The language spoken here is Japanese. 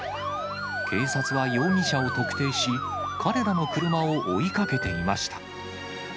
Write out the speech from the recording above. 警察は容疑者を特定し、彼らの車を追いかけていました。